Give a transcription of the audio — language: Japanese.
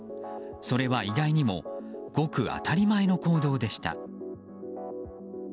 それは意外にもごく当たり前の行動でした。